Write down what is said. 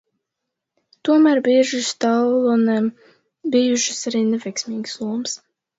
Tomēr bieži Stallonem bijušas arī neveiksmīgas lomas.